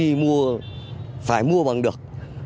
khi mua phải mua bằng được